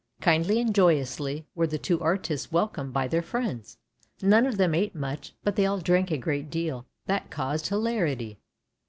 Kindly and joyously were the two artists welcomed by their friends. None of them ate much, but they all drank a great deal; that caused hilarity.